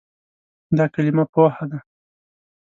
دا کلمه "پوهه" ده.